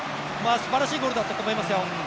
すばらしいゴールだったと思いますよ。